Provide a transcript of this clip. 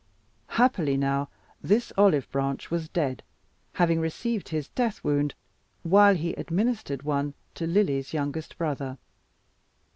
Happily now this olive branch was dead, having received his death wound while he administered one to Lily's youngest brother.